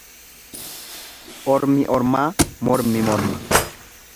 Ormi ormaa mormi morma.